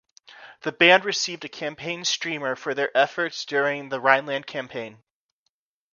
The band received a campaign streamer for their efforts during the Rhineland Campaign.